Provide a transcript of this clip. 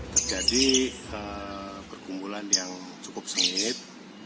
terjadi perkumpulan yang cukup sengit